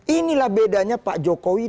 inilah bedanya pak jokowi